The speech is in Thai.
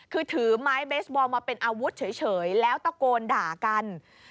คือถือไม้เบสบอลมาเป็นอาวุธเฉยแล้วตะโกนด่ากัน